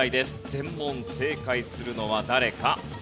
全問正解するのは誰か？